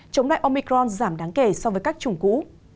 chống lại omicron giảm đáng kể so với các chủng cũ